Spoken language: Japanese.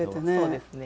そうですね。